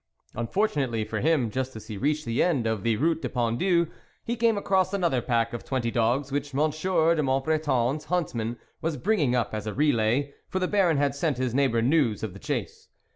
Unfortunately for him, just as he reached the end of the Route du Pendu, he came across another pack of twenty dogs, which Monsieur de Montbreton's huntsman was bringing up as a relay, for the Baron had sent his neighbour news of the chase.